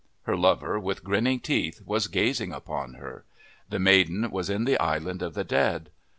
Her lover, with grinning teeth, was gaz ing upon her. The maiden was in the island of the dead.